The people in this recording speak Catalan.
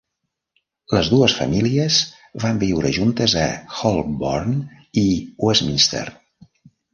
Les dues famílies van viure juntes a Holborn i Westminster.